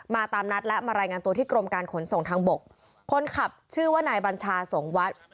ตามนัดและมารายงานตัวที่กรมการขนส่งทางบกคนขับชื่อว่านายบัญชาสงวัฒน์